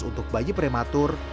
untuk bayi prematur